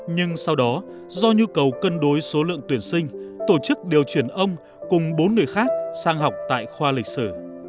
nhưng sau đó do nhu cầu cân đối số lượng tuyển sinh tổ chức điều chuyển ông cùng bốn người khác sang học tại khoa lịch sử